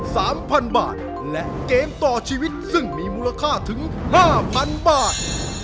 แซ่บหลาย